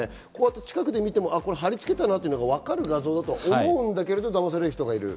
近くで見ても貼り付けたなっていうのがわかる画像だと思うんだけど、だまされる人がいる。